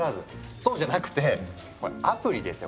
そうじゃなくてアプリですよ